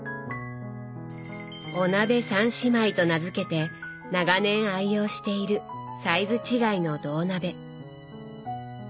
「お鍋三姉妹」と名付けて長年愛用しているサイズ違いの銅鍋。